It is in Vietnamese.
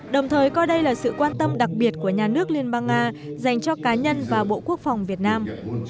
đồng thời coi đây là sự quan tâm đặc biệt của nhà nước liên bang nga dành cho cá nhân và bộ quốc phòng việt nam